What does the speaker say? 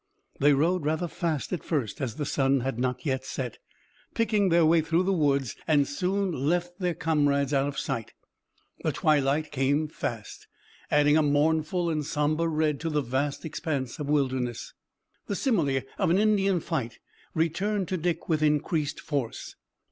They rode rather fast at first as the sun had not yet set, picking their way through the woods, and soon left their comrades out of sight. The twilight now came fast, adding a mournful and somber red to the vast expanse of wilderness. The simile of an Indian fight returned to Dick with increased force.